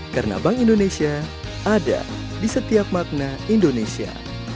karena bank indonesia ada di setiap makna indonesia